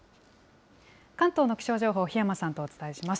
関東の気象情報、檜山さんとお伝えします。